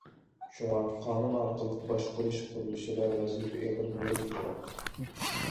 شۇڭا، قانۇن ئارقىلىق باشقۇرۇش قۇرۇلۇشىدا ۋەزىپە ئېغىر، يول يىراق.